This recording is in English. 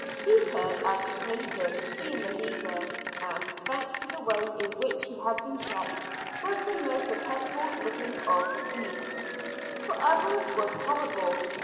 Skeeter, as became him, being leader, and, thanks to the way in which he had been checked, was the most reputable looking of the team, for others were horrible.